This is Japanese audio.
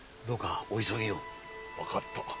どうかお急ぎを。分かった。